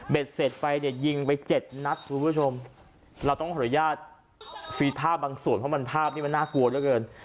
เสร็จไปเนี่ยยิงไปเจ็ดนัดคุณผู้ชมเราต้องขออนุญาตฟีดภาพบางส่วนเพราะมันภาพนี้มันน่ากลัวเหลือเกิน